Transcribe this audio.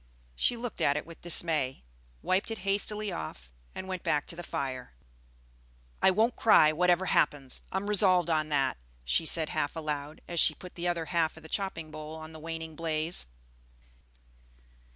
She looked at it with dismay, wiped it hastily off, and went back to the fire. "I won't cry, whatever happens, I'm resolved on that," she said half aloud, as she put the other half of the chopping bowl on the waning blaze.